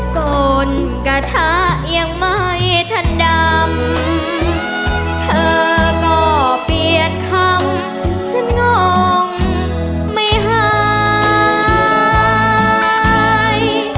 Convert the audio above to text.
ก่อนกระทะยังไม่ทันดำเธอก็เปลี่ยนคำฉันงงไม่หาย